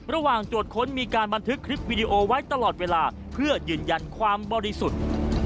ระหว่างตรวจค้นมีการบันทึกคลิปวีดีโอไว้ตลอดเวลาเพื่อยืนยันความบริสุทธิ์